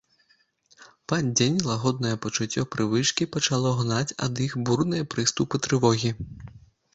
Пад дзень лагоднае пачуццё прывычкі пачало гнаць ад іх бурныя прыступы трывогі.